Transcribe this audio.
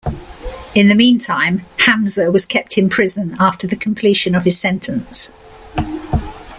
In the meantime, Hamza was kept in prison after the completion of his sentence.